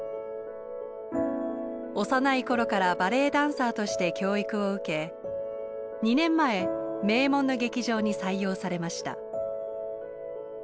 幼い頃からバレエダンサーとして教育を受け２年前名門の劇場に採用されました。